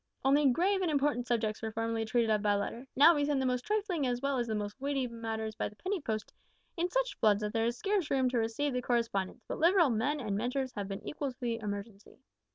Only grave and important subjects were formerly treated of by letter, now we send the most trifling as well as the most weighty matters by the penny post in such floods that there is scarce room to receive the correspondence, but liberal men and measures have been equal to the emergency.